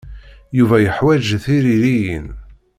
Yuba yeḥwaj tiririyin.